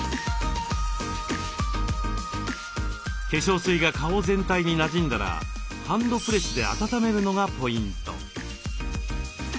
化粧水が顔全体になじんだらハンドプレスで温めるのがポイント。